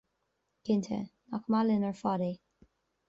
Cinnte, nach maith linn ar fad é?